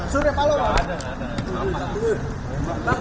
sudah pak lo bang